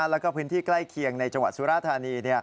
แล้วก็พื้นที่ใกล้เคียงในจังหวัดสุราธานี